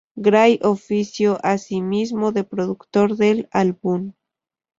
Gray ofició asimismo de productor del álbum.